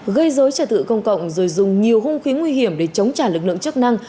gây dối trả tự công cộng rồi dùng nhiều hung khí nguy hiểm để chống trả lực lượng chức năng